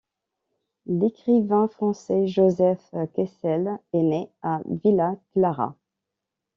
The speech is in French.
L'écrivain français Joseph Kessel est né à Villa Clara.